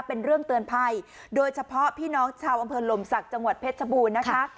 เป็นเรื่องเตือนภัยโดยเฉพาะพี่น้องชาวอำเภอลมศักดิ์จังหวัดเพชรชบูรณ์นะคะ